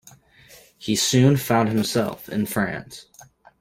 He soon found himself in France.